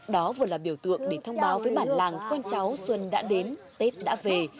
đó vừa là biểu tượng để thông báo với bản làng con cháu xuân đã đến tết đã về